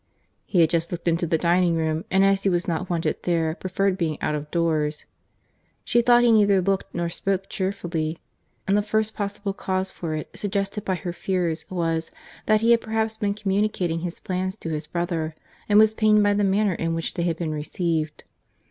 "He had just looked into the dining room, and as he was not wanted there, preferred being out of doors."—She thought he neither looked nor spoke cheerfully; and the first possible cause for it, suggested by her fears, was, that he had perhaps been communicating his plans to his brother, and was pained by the manner in which they had been received.